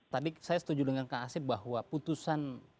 tadi saya setuju dengan kak asep bahwa putusan